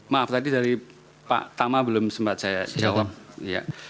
maaf tadi dari pak tama belum sempat saya jawab